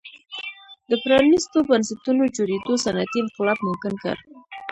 د پرانیستو بنسټونو جوړېدو صنعتي انقلاب ممکن کړ.